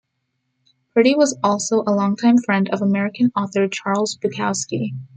Purdy was also a long-time friend of American author Charles Bukowski.